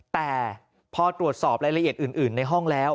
แต่พอตรวจสอบรายละเอียดอื่นในห้องแล้ว